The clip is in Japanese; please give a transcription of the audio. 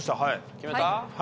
決めた？